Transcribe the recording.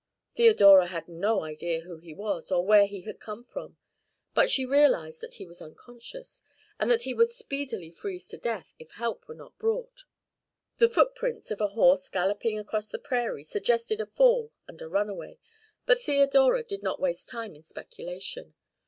Theodora had no idea who he was, or where he had come from. But she realized that he was unconscious, and that he would speedily freeze to death if help were not brought. The footprints of a horse galloping across the prairie suggested a fall and a runaway, but Theodora did not waste time in speculation.